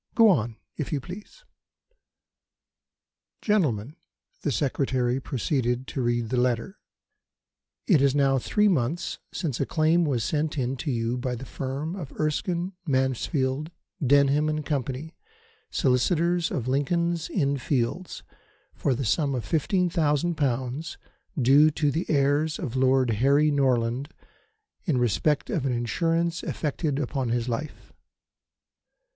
Go on, if you please." "Gentlemen" the Secretary proceeded to read the letter. "It is now three months since a claim was sent in to you by the firm of Erskine, Mansfield, Denham & Co., solicitors of Lincoln's Inn Fields, for the sum of 15,000 pounds due to the heirs of Lord Harry Norland in respect of an insurance effected upon his life."